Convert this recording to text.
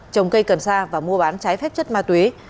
trồng cây cần sa và mua bán trái phép chất ma túy